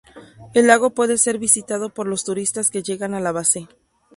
El lago puede ser visitado por los turistas que llegan a la base.